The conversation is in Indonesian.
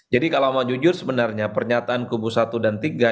jadi kalau mau jujur sebenarnya pernyataan kubu satu dan tiga